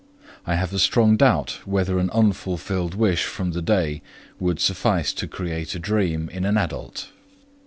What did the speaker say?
I have a strong doubt whether an unfulfilled wish from the day would suffice to create a dream in an adult.